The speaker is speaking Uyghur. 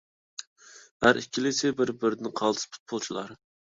ھەر ئىككىلىسى بىر-بىرىدىن قالتىس پۇتبولچىلار.